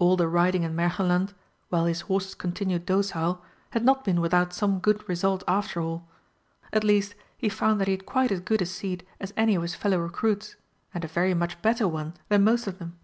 All the riding in Märchenland, while his horses continued docile, had not been without some good result after all. At least he found that he had quite as good a seat as any of his fellow recruits, and a very much better one than most of them.